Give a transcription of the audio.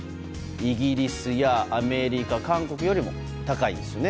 イギリスやアメリカ、韓国よりも高いんですよね。